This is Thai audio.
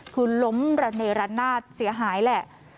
คือล้มระเนรนาศเสียหายแหละ